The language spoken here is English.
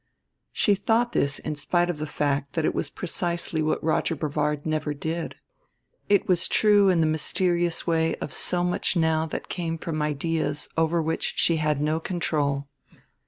She thought this in spite of the fact that it was precisely what Roger Brevard never did; it was true in the mysterious way of so much now that came from ideas over which she had no control.